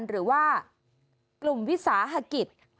หรือว่ากลุ่มวิสาหกิจ